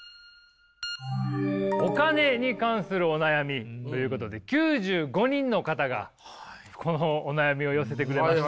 お金に関するお悩みということで９５人の方がこのお悩みを寄せてくれました。